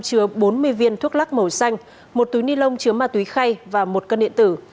chứa bốn mươi viên thuốc lắc màu xanh một túi ni lông chứa ma túy khay và một cân điện tử